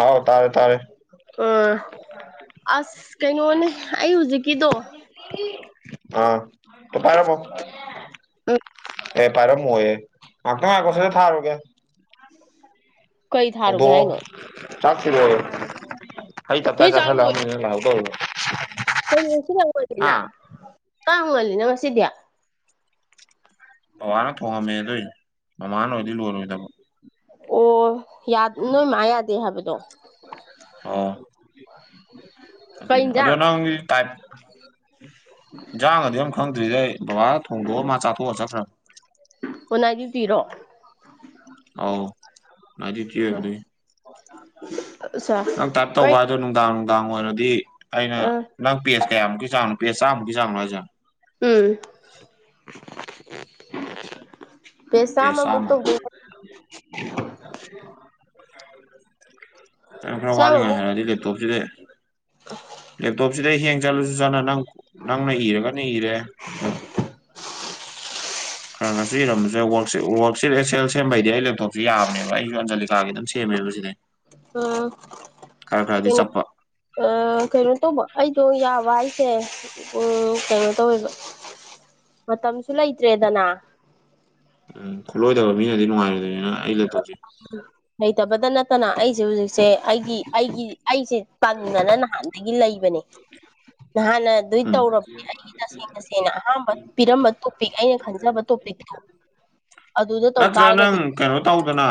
ꯑꯥꯎ ꯇꯥꯔꯦ ꯇꯥꯔꯦ ꯎꯝ ꯑꯁ ꯀꯩꯅꯣꯅꯦ ꯑꯩ ꯍꯧꯖꯤꯛꯀꯤꯗꯣ ꯑꯥ ꯍꯣ ꯄꯥꯏꯔꯝꯃꯣ ꯎꯝ ꯄ꯭ꯂꯦꯠ ꯄꯥꯏꯔꯝꯃꯣꯌꯦ ꯉꯥꯛꯇꯪ ꯉꯥꯏꯈꯣ ꯁꯠ ꯁꯠ ꯊꯥꯔꯨꯒꯦ ꯀꯩ ꯊꯥꯔꯨꯒꯦ ꯍꯧꯗꯣꯛꯑꯣ ꯍꯥꯏꯅꯣ ꯆꯥꯛ ꯊꯤꯔꯛꯑꯣꯌꯣ ꯑꯩ ꯇꯞ ꯅꯣꯏ ꯇꯥ ꯆꯥꯛ ꯆꯥꯁꯜꯂꯒ ꯂꯣꯏ ꯑꯃꯗꯨꯅ ꯂꯥꯎ ꯇꯧꯔꯤꯕ ꯍꯥ [unintelligible] ꯕꯕꯥꯅ ꯊꯣꯡꯉꯝꯃꯦ ꯑꯗꯨꯏꯅꯦ ꯃꯃꯥꯅ ꯑꯣꯏꯗꯤ ꯂꯣꯏꯔꯣꯏꯗꯕ ꯑꯣ ꯌꯥ ꯅꯣꯏ ꯃꯥ ꯌꯥꯗꯦ ꯍꯥꯏꯕꯗꯣ ꯀꯩ ꯑꯗꯨꯅꯦ ꯑꯗꯣ ꯏꯟꯖꯥꯡ ꯅꯪꯒꯤ ꯇꯥꯏꯞ ꯌꯦꯟꯁꯥꯡꯒꯗꯤ ꯌꯥꯝ ꯈꯪꯗ꯭ꯔꯤꯗꯩ ꯕꯕꯥ ꯊꯣꯡꯗꯣꯛꯑꯣ ꯃꯥ ꯆꯥꯊꯣꯛꯑ ꯆꯠꯈ꯭ꯔ ꯑꯣꯅꯥꯏꯇꯤꯔꯣ ꯃꯥꯖꯤꯠꯇꯤ ꯑꯩꯈꯗꯤ [inaudible] ꯅꯪ ꯇꯥꯏꯞ ꯀꯩ ꯇꯧꯕ ꯍꯥꯏ ꯑꯗꯣ ꯅꯨꯡꯗꯥꯡ ꯅꯨꯡꯗꯥꯡ ꯑꯣꯏꯔꯗꯤ ꯑꯩꯅ ꯑꯥ ꯅꯪ ꯄꯦꯖ ꯀꯌꯥꯃꯨꯛꯀꯤ ꯆꯥꯡꯅꯣ ꯄꯦ ꯆꯥꯃꯨꯛꯀꯤ ꯆꯥꯡꯛꯖꯦ ꯎꯝ ꯄꯦꯁꯥ ꯄꯦꯖ ꯑꯃ ꯆꯥꯝꯃ ꯑꯃꯨꯛꯛꯇ ꯑꯗꯨ ꯈꯔ ꯋꯥꯠꯂꯤꯉꯩ ꯆꯥꯝꯃꯃꯨꯛ ꯍꯥꯏꯔꯗꯤ ꯂꯦꯞꯇꯣꯞꯁꯤꯗꯤ ꯂꯦꯞꯇꯣꯞꯁꯤꯗ ꯍꯦꯡ ꯆꯠꯂꯨꯁꯨ ꯆꯅ ꯅꯪ ꯅꯪꯅ ꯏꯔꯒꯅ ꯏꯔꯦ ꯑꯗꯨ ꯈꯔ ꯉꯁꯨ ꯏꯔꯝꯕꯁꯦ ꯋꯥꯋꯔꯛꯁꯤꯠ ꯑꯦ ꯁꯦꯝꯕꯩꯗꯤ ꯑꯩ ꯂꯦꯞꯇꯣꯞꯁꯨꯦ ꯌꯥꯕꯅꯦꯕ ꯑꯩꯁꯨ ꯑꯟꯖꯂꯤꯀꯥꯒꯤ ꯑꯗꯨꯝ ꯁꯦꯝꯃꯦꯕ ꯁꯤꯅꯦ ꯎꯝꯩꯅꯣ ꯆꯠꯄ ꯑ ꯈꯩꯅꯣ ꯇꯧꯕ ꯑꯩꯗꯣ ꯌꯥꯕ ꯑꯩꯁꯦ ꯎ ꯀꯩꯅꯣ ꯇꯧꯋꯦꯕ ꯃꯇꯝꯁꯨ ꯂꯩꯇ꯭ꯔꯦꯗꯅ ꯎꯝ ꯈꯨꯠꯂꯣꯏꯗꯕ ꯃꯤꯅꯗꯤ ꯅꯨꯡꯉꯥꯏꯔꯗꯣꯏꯅꯦ ꯂꯩꯇꯕꯇ ꯅꯠꯇꯅ ꯑꯩꯁꯦ ꯍꯧꯖꯤꯛꯁꯦ ꯑꯩꯒꯤ ꯑꯩꯒꯤ ꯑꯩꯁꯦ ꯄꯝꯗꯅ ꯅꯍꯥꯟꯗꯒꯤ ꯂꯩꯕꯅꯦ ꯅꯍꯥꯟꯅ ꯑꯗꯨꯏ ꯎꯝ ꯇꯧꯔꯕꯅꯦ ꯑꯩꯒꯤ ꯇꯁꯦꯡ ꯇꯁꯦꯡꯅ ꯑꯍꯥꯟꯕ ꯄꯤꯔꯝꯕ ꯇꯣꯄꯤꯛ ꯑꯩꯅ ꯈꯟꯖꯕ ꯇ ꯑꯗꯨꯗ ꯇꯧ ꯅꯠꯇ꯭ꯔ ꯇꯥꯔꯒꯗꯤ ꯅꯪ ꯀꯩꯅꯣ ꯇꯧꯗꯅ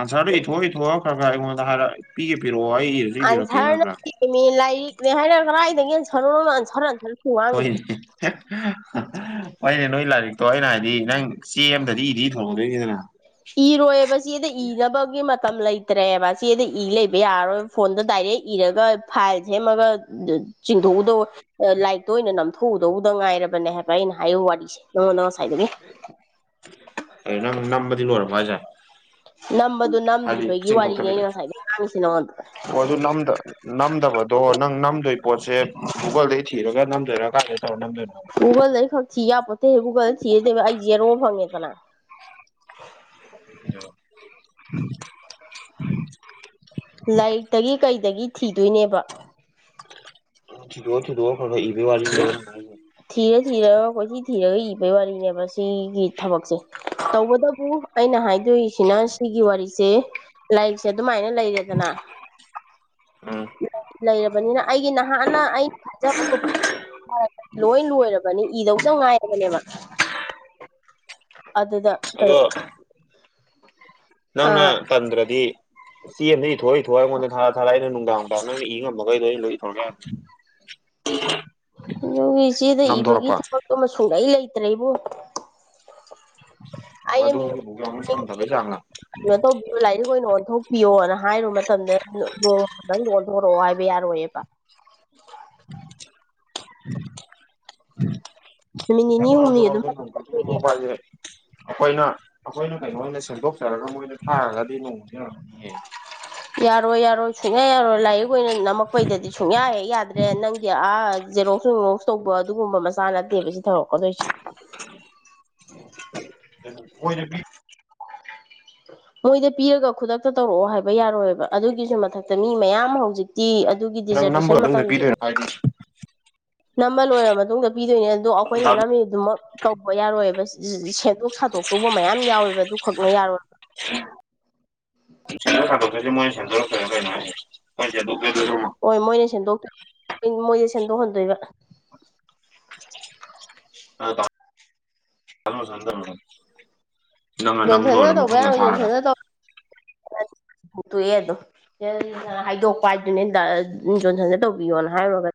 ꯑꯟꯁꯔꯗꯣ ꯏꯊꯣꯛ ꯏꯊꯣꯛꯑ ꯈꯔ ꯈꯔ ꯑꯩꯉꯣꯟꯗ ꯍꯥꯏꯔ ꯄꯤꯒꯦꯤꯔꯛꯑꯣ ꯑꯩ ꯏꯔꯁꯨ ꯏꯕꯤꯔ ꯊꯔꯅ ꯂꯥꯏꯛ ꯂ ꯍꯥꯏꯅ ꯀ ꯑꯥꯏꯗꯒ ꯁꯔ ꯁꯔꯔ ꯍ ꯍ ꯍꯅꯦ ꯅꯣꯏ ꯂꯥꯏꯔꯤꯛꯇꯣ ꯑꯩꯅ ꯍꯥꯏꯗꯤ ꯅꯪ ꯆꯦ ꯑꯃꯗꯗꯤ ꯏꯗꯤ ꯊꯣꯡꯒꯗꯣꯏꯅꯤꯗꯅ ꯏꯔꯣꯏꯕꯕꯁꯤꯗ ꯏꯅꯕꯒꯤ ꯀ ꯂꯩꯇ꯭ꯔꯦꯕ ꯆꯦꯗꯤ ꯏ ꯂꯩꯕ ꯌꯥꯔꯔꯣꯏ ꯐꯣꯟꯗ ꯗꯥꯏꯔꯦꯛ ꯏꯔꯒ ꯐꯥꯏꯜ ꯁꯦꯝꯃꯒ ꯆꯤꯡꯊꯣꯛꯎꯗꯧ ꯂꯥꯏꯔꯤꯛꯇ ꯑꯣꯏꯅ ꯅꯝꯊꯣꯛꯎꯗꯧꯗ ꯉꯥꯏꯔꯕꯅꯦ ꯍꯥꯏꯕ ꯑꯩꯅ ꯍꯥꯏꯌꯨ ꯋꯥꯔꯤꯁꯦ ꯅꯉ ꯅ ꯍꯥꯏꯗꯅꯦ ꯑ ꯅ ꯅꯝꯕꯗꯤꯅ ꯑꯣꯏꯔ ꯃꯥꯖ ꯅꯝꯕꯗꯨꯣ ꯅꯝꯗ꯭ꯔꯤꯕꯒꯤ ꯋꯥꯔꯤꯅꯤ ꯑꯩꯅ ꯉꯁꯥꯏꯗ ꯉꯥꯡꯉꯁꯤꯅꯉꯣꯟꯗ ꯑꯣ ꯑꯗꯨ ꯅꯝꯗꯕꯗꯣ ꯅꯪ ꯅꯝꯗꯣꯏ ꯄꯣꯠꯁꯦ ꯒꯨꯒꯜꯗꯩ ꯊꯤꯔꯒ ꯔ ꯀꯦ ꯒꯨꯒꯜꯗꯩ ꯈꯛ ꯊꯤꯕꯄꯣꯠꯇꯦꯍꯦ ꯒꯨꯒꯜꯗ ꯊꯤꯔꯗꯦꯕ ꯑꯩꯁꯦꯔꯣ ꯐꯪꯉꯦꯗꯅ ꯑ ꯂꯥꯏꯔꯤꯛꯇꯒꯤ ꯀꯩꯗꯒꯤ ꯊꯤꯗꯣꯏꯅꯦꯕ ꯣ ꯔꯕ ꯋꯥ ꯊꯤꯔ ꯊꯤꯔ ꯑꯩꯈꯣꯏ ꯁꯤ ꯊꯤꯔꯒ ꯏꯕꯩ ꯋꯥꯔꯤꯅꯦꯕ ꯁꯤꯒꯤ ꯊꯕꯛꯁꯦ ꯇꯧꯕꯇꯕꯨ ꯑꯩꯅ ꯍꯥꯏꯗꯣꯏꯁꯤꯅ ꯁꯤꯒꯤ ꯋꯥꯔꯤꯁꯦ ꯂꯥꯏꯔꯤꯛꯁꯦ ꯑꯗꯨꯃꯥꯏꯅ ꯂꯩꯔꯦꯗꯅ ꯎꯝ ꯂꯩꯔꯕꯅꯤꯅ ꯑꯩꯒꯤ ꯅꯍꯥꯟꯅ ꯑꯩꯅ ꯈꯟꯖꯕꯗꯣ ꯂꯣꯏ ꯂꯣꯏꯔꯕꯅꯤ ꯏꯗꯧꯗ ꯉꯥꯏꯔꯕꯅꯦꯕ ꯑꯗꯨꯗ ꯀꯩꯅꯣ ꯑꯗꯣ ꯅꯪꯅ ꯑꯥ ꯄꯟꯗ꯭ꯔꯗꯤ ꯁꯤ ꯅ ꯑꯩ ꯊꯣꯛꯣꯏꯏ ꯊ ꯊꯣꯛꯑꯏ ꯑꯩꯉꯣꯟꯗ ꯊꯔ ꯊꯥꯔ ꯅꯨꯡꯗꯥꯡꯅꯨꯡ ꯅ ꯏꯉꯝꯃꯩꯣꯏ ꯑꯗꯨꯒꯤ ꯏꯆꯦꯗ ꯏꯕꯒꯤ ꯅꯝꯊꯣꯔꯛꯄ ꯊꯕꯛꯇꯣ ꯑꯃ ꯁꯨꯡꯂꯩ ꯂꯩꯇ꯭ꯔꯦꯕꯨꯣ ꯑꯪ ꯑꯩꯅ ꯑꯗꯨꯣ ꯃꯤꯡ ꯍꯕꯣꯛ ꯑꯃꯅ ꯃꯤꯡ ꯁꯥꯟꯗꯔꯦ ꯆꯉꯅ ꯀꯩꯅꯣ ꯇꯧꯕꯤꯣ ꯂꯥꯏꯔꯤꯛ ꯑꯣꯏꯅ ꯑꯣꯟꯊꯣꯛꯄꯤꯌꯣꯅ ꯍꯥꯏꯔꯨꯕ ꯃꯇꯝꯗ ꯅꯣꯡꯃ ꯅꯪ ꯄꯣꯔꯣꯛꯑꯣ ꯍꯥꯏꯕ ꯌꯥꯔꯣꯏꯌꯦꯕ [unintelligible] ꯍꯥꯏꯁꯦ ꯅꯨꯃꯤꯠ ꯅꯤꯅꯤ ꯍꯨꯝꯅꯤ ꯑꯗꯨꯝ ꯅꯦꯕ ꯑꯩꯈꯣꯏꯅ ꯑꯩꯈꯣꯏꯅ ꯀꯩꯅꯣ ꯑꯣꯏꯅ ꯁꯦꯝꯗꯣꯛꯆꯔꯒ ꯃꯣꯏꯅ ꯊꯥꯔꯒꯗꯤ ꯅꯣꯡꯁꯤꯔꯛꯅꯤꯍꯦ ꯌꯥꯔꯣꯏ ꯌꯥꯔꯣꯏ ꯁꯨꯡꯌꯥ ꯌꯥꯔꯣꯏ ꯂꯥꯏꯔꯤꯛ ꯑꯣꯏꯅ ꯅꯝꯃꯛꯄꯩꯗꯗꯤ ꯁꯨꯡꯌꯥ ꯍꯦꯛ ꯌꯥꯗ꯭ꯔꯦ ꯅꯪꯒꯤ ꯑ ꯖꯦꯔꯣꯛꯁ ꯔꯣꯛꯁ ꯇꯧꯕ ꯑꯗꯨꯒꯨꯝꯕ ꯆꯥꯅꯗꯦꯕꯁꯤ ꯊꯔꯛꯀꯗꯣꯏꯁꯦ ꯑꯗꯨ ꯑꯣꯏꯔꯕꯤ ꯑ ꯃꯣꯏꯗ ꯄꯤꯔꯒ ꯈꯨꯗꯛꯇ ꯇꯧꯔꯛꯑꯣ ꯍꯥꯏꯕ ꯌꯥꯔꯣꯏꯑꯕ ꯑꯗꯨꯒꯤꯁꯨ ꯃꯊꯛꯇ ꯃꯤ ꯃꯌꯥꯝ ꯍꯧꯖꯤꯛꯇꯤ ꯑꯗꯨꯒꯤ ꯅꯪ ꯗꯤꯖꯔꯇꯦꯁꯟ ꯅꯝꯕꯒ ꯑꯗꯨꯝꯗ ꯃꯇꯝꯒꯤ ꯄꯤꯗꯣꯏꯅꯣ ꯍꯥꯏꯗꯤ ꯅꯝꯕ ꯂꯣꯏꯔ ꯃꯇꯨꯡꯗ ꯄꯤꯗꯣꯏꯅꯦ ꯑꯗꯣ ꯑꯩꯈꯣꯏꯅ ꯅꯝꯃꯤꯗꯨꯃꯛ ꯇꯧꯕ ꯌꯥꯔꯣꯏꯕ ꯁꯤ ꯁꯦꯝꯗꯣꯛ ꯁꯥꯗꯣꯛꯇꯧꯕ ꯃꯌꯥꯝ ꯌꯥꯎꯋꯦꯕ ꯑꯗꯨꯈꯛꯅ ꯌꯥꯔꯣꯏꯕ ꯁꯦꯟꯗꯔ ꯊꯗꯣꯛꯁꯦ ꯃꯣꯏ ꯁꯦꯟꯖꯔ ꯀꯔ ꯀꯅꯦ ꯍꯣꯏ ꯃꯣꯏꯅ ꯁꯦꯝꯗꯣꯛꯇꯣꯏ ꯃꯣꯏꯁ ꯁꯦꯝꯗꯣꯛꯍꯟꯗꯣꯏꯕ ꯑ ꯆꯗ ꯅꯣꯟꯁꯅꯅ ꯇꯧꯧꯕ ꯌꯥꯔ ꯌꯖꯣꯟꯁꯅ ꯇꯧ ꯍꯇꯣꯛꯑꯦ ꯑꯗꯣ ꯍ ꯍꯥꯏꯗꯣꯛꯄ ꯍꯥꯏꯗꯨꯅꯦ ꯌꯖꯣꯟꯁꯟꯁꯦ ꯇꯧꯕꯤꯌꯣꯅ ꯍꯥꯏꯔꯨꯔꯒ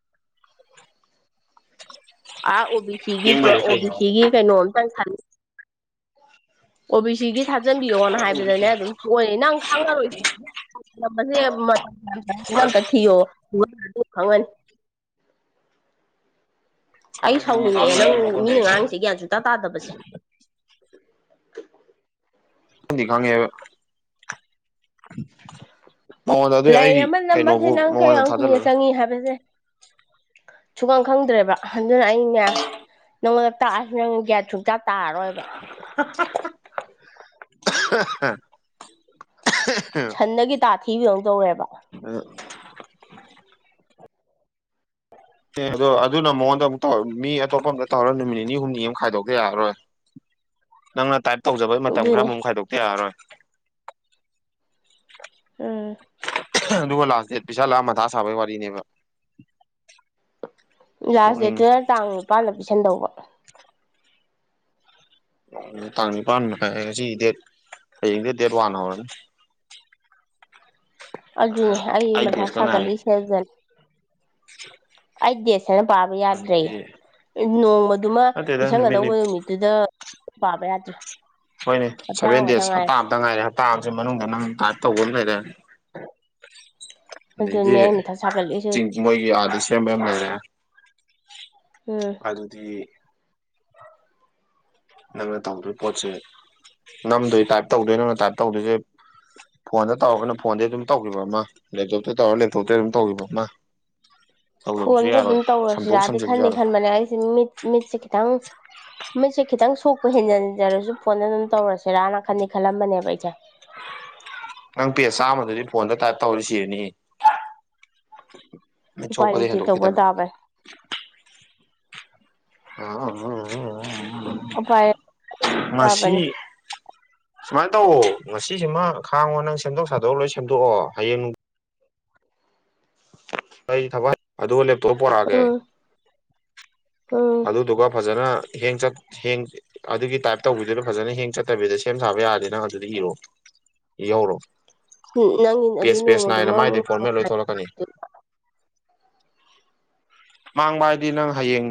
ꯑꯥ ꯑꯣ ꯕꯤ ꯁꯤꯒꯤ ꯌꯦꯡꯕꯩꯔ ꯑꯣ ꯕꯤ ꯀꯩꯅꯣ ꯁꯤꯒꯤ ꯀꯩꯅꯣ ꯑꯣꯕꯤ ꯁꯤꯒꯤ ꯊꯥꯖꯤꯟꯕꯤꯌꯣꯅ ꯍꯥꯏꯕꯗꯅꯦ ꯑꯗꯨꯝ ꯊꯣꯛꯅꯤ ꯅꯪ ꯈꯪꯉꯔꯣꯏ ꯃ ꯈꯪꯉꯅꯤ ꯑꯩ ꯁꯥꯎꯅꯤꯡꯉꯛꯑꯦ ꯅꯪ ꯃꯤꯅ ꯉꯥꯡꯁꯦ ꯒ꯭ꯌꯥꯟ ꯁꯨꯇꯥꯥ ꯇꯥꯗꯕꯁꯦ ꯪ ꯈꯪꯉꯕ ꯃꯉꯣꯟꯗ ꯑꯗꯨ ꯂꯩ ꯑꯩ ꯑꯃꯅ ꯃꯁꯦ ꯀꯩꯅꯣꯕꯨ ꯅꯪ ꯃꯉꯣꯟꯗ ꯀꯌꯥꯝ ꯀꯨꯏꯅ ꯊꯥꯖꯤꯜꯂꯔꯣꯏ ꯆꯪꯉꯤ ꯍꯥꯏꯕꯁꯦ ꯁꯨꯒꯪ ꯈꯪꯗ꯭ꯔꯦꯕ ꯑꯗꯨꯅ ꯑꯅꯦ ꯅꯪꯉꯣꯟꯗ ꯇꯥꯛꯑꯁꯨ ꯅꯪ ꯒ꯭ꯌꯥꯠ ꯁꯨꯇꯥꯛ ꯇꯥꯔꯔꯣꯏꯕ [unintelligible] ꯁꯟꯗꯒꯤ ꯇꯥ ꯊꯤꯕꯒꯧ ꯇꯧꯔꯦꯕ ꯑ ꯑꯦ ꯑꯗꯣ ꯑꯗꯨꯅ ꯃꯉꯣꯟꯗ ꯑꯃꯨꯛꯧ ꯃꯤ ꯑꯇꯣꯞꯄ ꯑꯃꯝꯇ ꯇꯧꯔꯒ ꯅꯨꯃꯤꯠ ꯅꯤꯅꯤ ꯍꯨꯝꯅꯤ ꯑꯃ ꯈꯥꯏꯗꯣꯛꯇ ꯌꯥꯔꯔꯣꯏ [unintelligible] ꯅꯪꯅ ꯇꯥꯏꯞ ꯇꯧꯖꯕꯩ ꯃꯇꯝ ꯑꯗꯨꯅꯤ ꯈꯔꯃꯨꯛ ꯈꯥꯏꯗꯣꯛꯇ ꯌꯥꯔꯔꯣꯏ ꯎꯝ ꯑꯗꯨꯒ ꯂꯥꯁ ꯗꯦꯠ ꯄꯩꯁꯥ ꯂꯥꯛꯑ ꯃꯊꯥ ꯁꯥꯕꯒꯤ ꯋꯥꯔꯤꯅꯦꯕ ꯂꯥꯁ ꯗꯦ ꯅꯣꯛꯅꯤꯡꯉꯤ ꯇꯨꯌꯦꯜ ꯇꯥꯡ ꯅꯤꯄꯥꯟꯗ ꯄꯤꯤꯁꯟꯗꯧꯕ ꯇꯥꯡ ꯅꯤꯄꯥꯟ ꯃꯈꯥꯏ ꯉꯁꯤ ꯗꯦꯠ ꯍꯌꯦꯡꯗ ꯗꯦꯠ ꯋꯥꯟ ꯍꯧꯔꯅꯤ ꯑꯗꯨꯅꯤ ꯑꯩ ꯑꯩꯠ ꯃꯊ ꯗꯦꯖꯀ ꯉꯥꯏꯔꯦ ꯁꯥꯒꯠꯂꯤꯁꯦꯖꯅ ꯑꯩ ꯗꯦꯁ ꯁꯥꯏꯅ ꯄꯥꯕ ꯌꯥꯗ꯭ꯔꯦ ꯑꯗꯨꯗꯤ ꯅꯣꯡꯃꯗꯨꯃ ꯅꯠꯇꯦꯗ ꯅꯨꯃꯤꯠ ꯅꯤ ꯄꯤꯁꯪꯒꯗꯧꯕ ꯅꯨꯃꯤꯠꯇꯨꯗ ꯄꯥꯕꯦ ꯑꯖ ꯍꯣꯏꯅꯦ ꯁꯦꯚꯦꯟ ꯗꯦꯖ ꯍꯞꯇꯥ ꯑꯇ ꯉꯥꯏꯔꯦ ꯍꯞꯇꯥꯁꯤ ꯃꯅꯨꯡꯗ ꯅꯪ ꯇꯥꯏꯞ ꯇꯧꯕ ꯑꯃ ꯂꯩꯔꯦ ꯑꯗꯩꯗꯤ ꯑꯗꯨꯅꯦ ꯑꯩ ꯃꯊꯥ ꯁꯥꯒꯠꯂꯤꯁꯦ ꯆꯤꯡ ꯍꯧꯖꯤꯛ ꯃꯣꯏꯒꯤ ꯑꯥꯗꯁꯨ ꯁꯦꯝꯕꯃꯔꯦ ꯎꯝ ꯑꯗꯨꯗꯤ ꯅꯪꯅ ꯇꯧꯗꯣꯏ ꯄꯣꯠꯁꯦ ꯅꯝꯗꯣꯏ ꯇꯥꯏꯞ ꯇꯧꯗꯣꯏ ꯅꯪꯅ ꯇꯥꯏꯞ ꯇꯧꯗꯣꯏꯁꯦ ꯐꯣꯟꯗ ꯇꯧꯔꯒꯅ ꯐꯣꯟꯗ ꯑꯗꯨꯝ ꯇꯧꯈꯤꯕ ꯑꯃ ꯂꯦꯞꯇꯣꯞꯇ ꯇꯧꯔꯒ ꯂꯦꯞꯇꯣꯞꯇ ꯑꯗꯨꯝ ꯇꯧꯈꯤꯕ ꯑꯃ ꯇꯧꯗꯕꯁꯨ ꯐꯣꯟꯝꯗ ꯌꯥꯔꯣꯏ ꯑꯗꯨꯝ ꯁꯝꯗꯣꯛ ꯇꯧꯔꯁꯤꯔꯗꯤ ꯁꯝꯖꯤꯟꯁꯨ ꯈꯟꯗꯤꯦ ꯌꯥꯔꯣꯏ ꯈꯟꯕꯅꯦ ꯑꯩꯁꯦ ꯃꯤꯠ ꯃꯤꯠꯁ ꯠꯇ ꯃꯤꯠꯁꯦ ꯈꯤꯇꯪ ꯁꯣꯛꯄ ꯍꯦꯟꯖꯤꯟꯖꯔꯁꯨ ꯐꯣꯟꯗ ꯑꯗꯨꯝ ꯇꯧꯔꯁꯤꯦꯔꯥꯅ ꯈꯟꯅꯤ ꯈꯜꯂꯝꯕꯅꯦꯕ ꯑꯩꯁꯦ [unintelligible] ꯅꯪ ꯄꯦ ꯆꯥꯝꯃꯗꯗꯤ ꯐꯣꯟꯗ ꯇꯥꯏꯞ ꯇꯧꯔꯤꯁꯤꯅꯤ ꯃ ꯎꯄꯥꯏ ꯆꯧꯄꯗ ꯂꯩꯇꯦ ꯇꯧꯕ ꯍꯦꯟꯗꯣꯈꯤꯗꯅ ꯇꯥꯕꯅꯦ [unintelligible] ꯉꯁꯤ [unintelligible] ꯁꯨꯃꯥꯏꯅ ꯇꯧꯋ ꯉꯁꯤꯁꯤꯃ ꯈꯥꯡꯉꯣ ꯅꯪ ꯁꯦꯝꯗꯣꯛ ꯁꯥꯗꯣꯛ ꯂꯣꯏ ꯁꯦꯝꯗꯣꯛꯑꯣ ꯍꯌꯦꯡ ꯑꯩ ꯊꯕꯛ ꯑꯗꯨꯒ ꯂꯦꯞꯇꯣꯞ ꯄꯣꯔꯛꯑꯒꯦ ꯎꯝ ꯎꯝ ꯑꯗꯨꯗꯨꯒ ꯐꯖꯅ ꯍꯦꯡ ꯆ ꯍꯦꯡ ꯑꯗꯨꯒꯤ ꯇꯥꯏꯞ ꯇꯧꯕꯤꯗꯨꯅ ꯐꯖꯅ ꯍꯦꯡ ꯆꯠꯇꯕꯤꯗ ꯁꯦꯝ ꯁꯥꯕ ꯌꯥꯗꯦ ꯅꯪ ꯑꯗꯨꯗꯤ ꯏꯔꯣꯑꯣ ꯌꯎꯔꯣ ꯎꯝ ꯅꯪꯒꯤ ꯑꯗꯨ ꯄꯦꯁ ꯄꯦꯁ ꯅꯣꯡꯃꯗꯨꯃ ꯅꯥꯏꯅ ꯃꯥꯏꯗ ꯑꯃꯨꯛ ꯐꯣꯔꯃꯦꯠ ꯂꯣꯏꯊꯣꯛꯂꯛꯀꯅꯤ ꯃꯥꯡꯕ ꯍꯥꯏꯗꯤ ꯅꯪ ꯍꯌꯦꯡ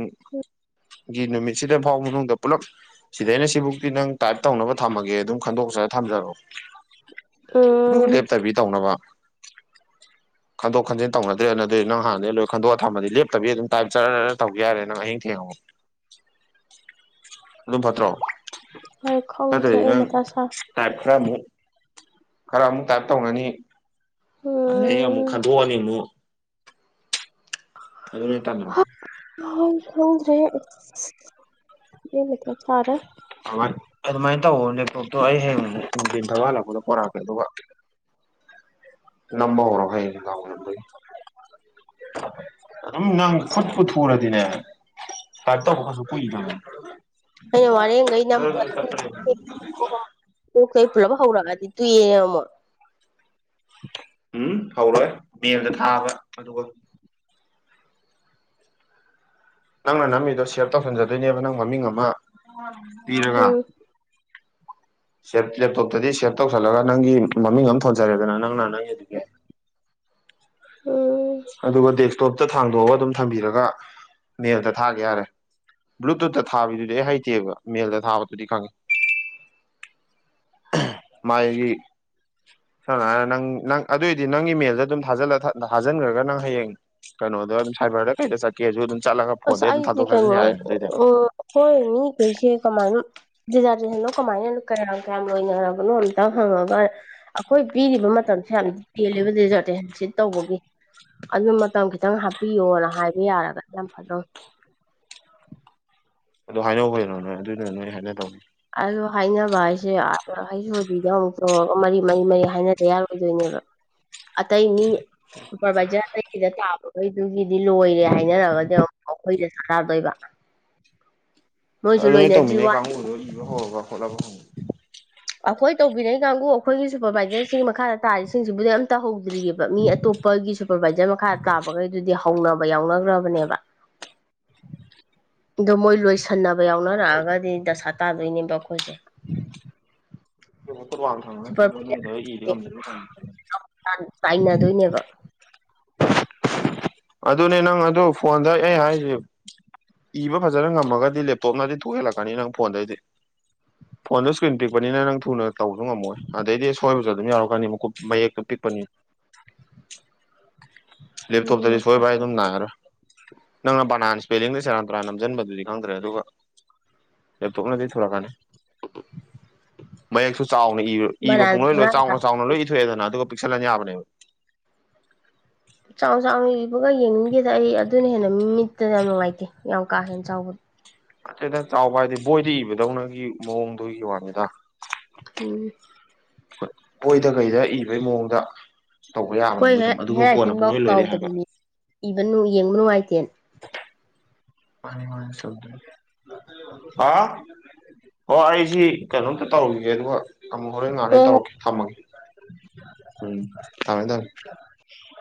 ꯒꯤ ꯅꯨꯃꯤꯠꯁꯤꯗ ꯐꯥꯎ ꯃꯅꯨꯡꯗ ꯄꯨꯂꯞ ꯁꯤꯗꯩꯅ ꯁꯤꯕꯨꯛꯇꯤ ꯅꯪ ꯇꯥꯏꯞ ꯇꯧꯅꯕ ꯊꯝꯃꯒꯦ ꯑꯗꯨꯝ ꯈꯟꯗꯣꯛꯆ ꯊꯝꯖꯔꯛꯑꯣ ꯒꯨꯒꯜ ꯎꯝ ꯂꯦꯞꯇꯕꯤ ꯇꯧꯅꯕ ꯈꯟꯗꯣꯛ ꯈꯟꯖꯤꯟ ꯇꯧꯅꯗ꯭ꯔꯦꯅ ꯑꯗꯨꯗꯤ ꯅꯪ ꯍꯥꯟꯅꯩ ꯂꯣꯏ ꯈꯟꯗꯣꯛꯑ ꯊꯝꯃꯗꯤ ꯂꯦꯞ ꯇꯕꯤ ꯑꯗꯨꯝ ꯇꯥꯏꯞ ꯆꯠ ꯇꯧ ꯌꯥꯔꯦ ꯅ ꯑꯤꯡ ꯊꯦꯡꯉꯨ ꯑꯗꯨꯚꯗ꯭ꯔꯣ ꯍꯣꯏ ꯑ ꯈꯪꯗ꯭ꯔꯦ ꯑꯩ ꯃꯊꯥ ꯁꯥ ꯇ ꯈꯔ ꯑꯃꯨꯛ ꯇꯥꯏꯞ ꯇꯧꯅꯅꯤ ꯑꯗꯩ ꯑꯃꯨꯛ ꯎꯝ ꯈꯟꯗꯣꯛꯑꯅꯤ ꯑꯃꯨꯛ ꯑꯗꯨꯅ ꯇꯟꯗ꯭ꯔꯣ ꯍꯗ꯭ꯔꯔꯤ ꯆꯔ ꯑꯗꯨꯃꯥꯏꯅ ꯇꯧꯋ ꯅꯦꯞꯇꯣꯞꯇꯣ ꯑꯩ ꯍꯌꯦꯡ ꯅꯨꯡꯊꯤꯟ ꯊꯋꯥꯜꯂꯛꯄꯗ ꯄꯣꯔꯛꯀꯦ ꯑꯗꯨꯒ [unintelligible] ꯂꯝꯝꯕ ꯍꯧꯔꯣ ꯀꯩ ꯀ ꯅꯪ ꯈꯨꯠ ꯄꯨ ꯊꯨꯔꯗꯤꯅꯦ ꯀꯥꯏ ꯇꯧꯕ ꯀꯁꯨ ꯀꯣꯏ ꯀ ꯑꯩꯅ ꯋꯥꯔꯦꯡꯈꯩ ꯅꯣꯛꯈꯩ ꯄꯨꯂꯞ ꯍꯧꯔꯛꯑꯗꯤ ꯇꯨꯏ ꯌꯦꯔꯃ ꯎꯝ ꯍꯧꯔꯣꯏ ꯦꯜꯗ ꯊꯥꯕ ꯑꯗꯨꯒ ꯅꯪꯅ ꯅꯃꯤꯗꯣ ꯁꯤꯌꯔ ꯇꯧꯁꯟꯖꯗꯣꯏꯅꯦꯕ ꯅꯪ ꯃꯃꯤꯡ ꯑꯃ ꯄꯤꯔꯒ ꯎꯝ ꯁꯦꯞ ꯂꯦꯞꯇꯣꯞꯇꯗꯤ ꯁꯦꯞ ꯇꯧꯁꯜꯂꯒ ꯅꯪꯒꯤ ꯃꯃꯤꯡ ꯑꯃ ꯊꯣꯟꯖꯔꯦꯗꯅ ꯅꯪꯅ ꯅꯪꯒꯤ ꯑꯗꯨꯒꯤ [unintelligible] ꯎꯝ ꯑꯗꯨꯒ ꯗ ꯇꯣꯞꯇ ꯊꯥꯡꯗꯣꯛꯑꯒ ꯑꯗꯨꯝ ꯊꯝꯕꯤꯔꯒ ꯅꯦꯜꯗ ꯊꯥꯒꯦ ꯌꯥꯔꯦ ꯕ꯭ꯂꯨꯇꯨꯠꯇ ꯊꯥꯕꯤꯗꯨꯗꯤ ꯑꯩ ꯍꯩꯇꯦꯕ ꯃꯦꯜꯗ ꯊꯥꯕꯗꯨꯗꯤ ꯈꯪꯉꯤ [unintelligible] ꯃꯥꯒꯤꯒꯤ ꯅ ꯑꯗꯨꯑꯣꯏꯗꯤ ꯅꯪꯒꯤ ꯃꯦꯜꯗ ꯑꯗꯨꯝ ꯊꯥꯖꯜꯂ ꯍꯥꯖꯤꯟꯈ꯭ꯔꯒ ꯅꯪ ꯍꯌꯦꯡ ꯀꯩꯅꯣꯗ ꯑꯗꯨꯝ ꯁꯥꯏꯕꯔꯗ ꯀꯩꯗ ꯆꯠꯀꯦꯁꯨ ꯑꯗꯨꯝ ꯆꯠꯂꯒ ꯑ ꯐꯣꯟꯗꯩ ꯑꯗꯨꯝ ꯑꯗꯤ ꯊꯥꯗꯣꯛ ꯊꯥꯖꯤꯟ ꯀꯅꯤ ꯌꯥꯔꯦꯅꯦ ꯑꯗꯨꯏꯗꯤ ꯎ ꯀꯣꯏꯅꯤ ꯀꯩꯁ ꯀꯃꯥꯏꯅ ꯔꯤꯖꯥꯔꯇꯦꯁꯟꯣ ꯀꯃꯥꯏꯅ ꯀꯌꯥꯝ ꯀꯌꯥꯝ ꯂꯣꯏꯅꯔꯕꯅꯣ ꯑꯝꯇ ꯍꯪꯉꯒ ꯑꯩꯈꯣꯏ ꯄꯤꯔꯤꯕ ꯃꯇꯝꯁꯤ ꯌꯥꯝꯗꯤ ꯇꯦꯜꯂꯦꯕ ꯗꯗꯤꯖꯥꯔꯠꯇꯦ ꯁꯤ ꯇꯧꯕꯒꯤ ꯑꯗꯨ ꯃꯇꯝ ꯈꯤꯇꯪ ꯍꯥꯞꯄꯤꯌꯣꯅ ꯍꯥꯏꯕ ꯌꯥꯔꯒ ꯌꯥꯝ ꯐꯖꯧ ꯑꯗꯨ ꯍꯥꯏꯅꯧꯕꯗꯅꯣ ꯅꯣꯏ ꯑꯗꯨꯗꯨꯅ ꯅꯣꯏ ꯍꯥꯏꯅ ꯇꯧꯅꯤ ꯑꯗꯣ ꯍꯥꯏꯅꯕ ꯍꯥꯏꯁꯦ ꯑ ꯑꯩꯁꯨꯗꯤꯗꯤ ꯑꯃꯨꯛ ꯇꯣꯡꯔꯒ ꯃꯔꯤ ꯃꯔꯤ ꯃꯔꯤ ꯍꯥꯏꯅꯗ ꯌꯥꯔꯣꯏꯗꯣꯏꯅꯦ ꯑꯇ ꯑꯩ ꯃꯤ ꯁꯨꯄꯔꯚꯥꯏꯖꯔ ꯑꯒꯤꯗ ꯇꯥꯕꯈꯩꯗꯨꯒꯤꯗꯤ ꯂꯣꯏꯔꯦ ꯍꯥꯏꯅꯔꯒꯗꯤ ꯑꯃꯨꯛ ꯑꯩꯈꯣꯏꯗ ꯁꯔꯀꯥꯔꯗꯣꯏꯕ ꯑꯗꯨ ꯅꯣꯏ ꯇꯧꯃꯤꯅꯦ ꯀꯥꯡꯕꯨꯗꯨꯣ ꯏꯕ ꯍꯧꯔꯒ ꯍꯣꯠꯂꯒ ꯍꯉ ꯑꯩꯈꯣꯏ ꯇꯧꯕꯤꯅꯩ ꯀꯥꯡꯕꯨ ꯑꯩꯈꯣꯏꯒꯤ ꯁꯨꯄꯔꯕꯥꯏꯖꯔꯁꯤꯡꯒꯤ ꯃꯈꯥꯗ ꯇꯥꯔꯤꯁꯤꯡꯁꯤꯕꯨꯗꯤ ꯑꯝ ꯇꯧꯍꯧꯦ ꯃꯤ ꯑꯇꯣꯞꯄꯒꯤ ꯁꯨꯄꯔꯕꯥꯏꯖꯔ ꯃꯈꯥ ꯇꯥꯕꯈꯩꯗꯨꯗꯤ ꯍꯧꯅꯕ ꯌꯥꯎꯅꯈ꯭ꯔꯕꯅꯦꯕ ꯑꯗꯣ ꯃꯣꯏ ꯂꯣꯏꯁꯟꯅꯕ ꯌꯥꯎꯅꯔꯛꯑꯒꯗꯤ ꯗꯁꯥ ꯇꯥꯗꯣꯏꯅꯦꯕ ꯑꯩꯈꯣꯏꯁꯦ ꯇꯕꯥ ꯁꯨꯄꯔꯚꯥꯏꯖꯔ ꯊ ꯇꯥꯏꯅꯗꯣꯏꯅꯦꯕ ꯑꯗꯨꯅꯦ ꯅꯪ ꯑꯗꯨ ꯐꯣꯟꯗ ꯑꯩ ꯍꯥꯏꯁ ꯏꯕ ꯐꯖꯅ ꯉꯝꯃꯒꯗꯤ ꯂꯦꯞꯇꯣꯞꯅꯗꯤ ꯊꯣꯛꯍꯜꯂꯛꯀꯅꯤ ꯅꯪ ꯐꯣꯟꯗꯩꯗꯤ ꯐꯣꯟꯗ ꯏꯁꯀ꯭ꯔꯤꯟ ꯄꯤꯛꯄꯅꯤꯅ ꯅꯪ ꯊꯨꯅ ꯇꯧꯕꯁꯨ ꯉꯝꯃꯣꯏ ꯑꯗꯩꯗꯤ ꯑꯁꯣꯏꯕꯁꯨ ꯑꯗꯨꯝ ꯌꯥꯎꯔꯛꯀꯅꯤ ꯃꯨꯀꯨꯞ ꯃꯌꯦꯛꯇꯣ ꯄꯤꯛ ꯑꯃꯅꯤꯅꯤ [inaudible] ꯎꯝ ꯂꯦꯞꯇꯣꯞꯇꯗꯤ ꯁꯣꯏ ꯥꯏ ꯃꯊꯥꯁꯨ ꯑꯗꯨꯝ ꯅꯥꯏꯔꯥ ꯅꯪꯅ ꯄꯅꯥꯁꯤ ꯄꯦꯂꯤꯡꯗꯤ ꯆꯔꯥꯟ ꯇꯨꯔꯥꯟ ꯅꯝꯁꯤꯟꯕꯗꯨꯗꯤ ꯈꯪꯗ꯭ꯔꯦ ꯑꯗꯨꯒ ꯂꯦꯞꯇꯣꯞꯅꯗꯤ ꯊꯂꯛꯀꯅꯤ ꯃꯌꯦꯛꯁꯨ ꯆꯥꯎꯅꯔ ꯏꯕ ꯕꯅꯥꯟ ꯄꯨꯡꯂꯣꯏ ꯂꯣꯏ ꯊꯣꯡꯒꯥꯟ ꯆꯥꯎꯅ ꯆꯥꯎꯅ ꯂꯣꯏ ꯏꯊꯣꯛꯑꯦꯗꯅ ꯑꯗꯨꯒ ꯄꯤꯁꯂꯕꯅꯦ ꯆꯥꯎ ꯆꯥꯎꯅꯕꯒ ꯌꯦꯡꯅꯤꯡꯒꯦꯗ ꯑꯩ ꯑꯗꯨꯅ ꯍꯦꯟꯅ ꯃꯤꯠꯇꯅ ꯌꯥꯝ ꯅꯨꯡꯉꯥꯏꯇꯦ ꯌꯥꯝ ꯀꯥ ꯍꯦꯟꯅ ꯆꯥꯎꯕ ꯑꯇꯩꯅ ꯆꯥꯎꯕ ꯍꯥꯏꯗꯤ ꯕꯣꯏꯗ ꯏꯕꯗꯧꯅꯒꯤ ꯃꯑꯣꯡꯗꯨꯒꯤ ꯋꯥꯅꯤꯗ ꯎꯝ ꯄꯕꯣꯏꯗ ꯀꯩꯗ ꯏꯕꯩ ꯃꯑꯣꯡꯗ ꯇꯧꯕ ꯑꯩꯈꯣꯏ ꯌꯥꯕꯅꯦꯕ ꯍꯦ ꯑꯗꯨꯝ ꯑꯗꯨꯒ ꯀꯣꯟꯅ ꯄꯨꯡ ꯂꯣꯏ ꯂꯣꯏꯔꯦ ꯍꯥꯏꯕ ꯏꯕꯅꯨ ꯌꯦꯡꯕ ꯅꯨꯡꯉꯥꯏꯇꯦ ꯑ ꯃꯥ ꯆꯜꯦ ꯑ ꯑꯣ ꯑꯩꯁꯤ ꯀꯩꯅꯣꯝꯇ ꯇꯧꯔꯈꯤꯒꯦ ꯑꯗꯨꯒ ꯑꯃ ꯍꯣꯔꯦ ꯉꯥꯔꯦ ꯍꯣꯏ ꯍꯣꯏ ꯇꯧꯔꯛꯀꯦ ꯊꯝꯃꯒꯦ ꯎꯝ ꯊꯝꯃꯦ ꯊꯝꯃꯦ